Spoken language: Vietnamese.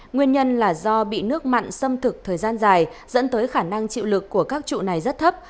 nguyên nhân là do bị nước mặn xâm thực thời gian dài dẫn tới khả năng chịu lực của các trụ này rất thấp